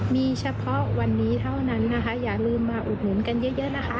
มีเฉพาะวันนี้เท่านั้นนะคะอย่าลืมมาอุดหนุนกันเยอะนะคะ